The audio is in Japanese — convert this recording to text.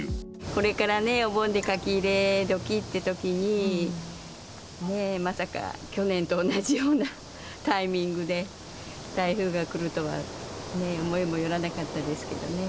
これからね、お盆で書き入れ時ってときに、ね、まさか去年と同じようなタイミングで台風が来るとはね、思いもよらなかったですけどね。